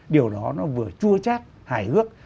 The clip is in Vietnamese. điều đó nó vừa chua chát hài hước